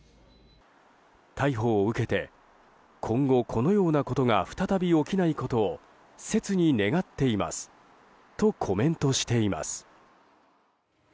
逮捕を受けて今後このようなことが再び起きないことを切に願っていますとコメントしています。